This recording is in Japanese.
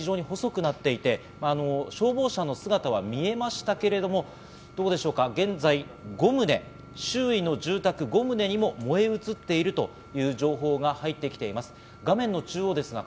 このあたりですが、道が非常に細くなっていて、消防車の姿は見えましたけれども、現在５棟、周囲の住宅５棟にも燃え移っているという情報が入ってきています。